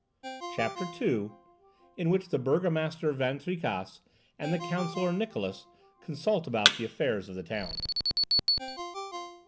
CHAPTER II. IN WHICH THE BURGOMASTER VAN TRICASSE AND THE COUNSELLOR NIKLAUSSE CONSULT ABOUT THE AFFAIRS OF THE TOWN.